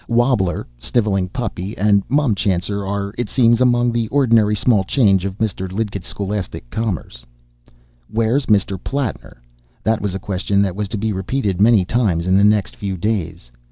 ("Wobbler," "snivelling puppy," and "mumchancer" are, it seems, among the ordinary small change of Mr. Lidgett's scholastic commerce.) Where's Mr. Plattner? That was a question that was to be repeated many times in the next few days.